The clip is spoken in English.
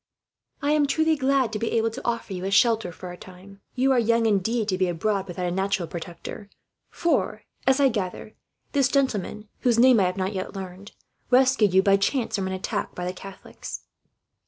"I am truly glad to be able to offer you a shelter, for a time. You are young, indeed, to be abroad without a natural protector; for as I gather this gentleman, whose name I have not yet learned, rescued you by chance from an attack by the Catholics."